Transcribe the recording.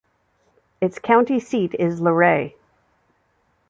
Its county seat is Luray.